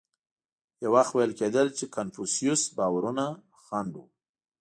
یو وخت ویل کېدل چې کنفوسیوس باورونه خنډ و.